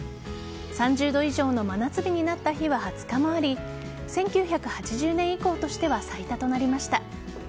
３０度以上の真夏日になった日は２０日もあり１９８０年以降としては最多となりました。